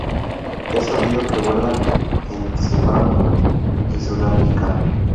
Es sabido que vuela en Zimbabue y Sudáfrica.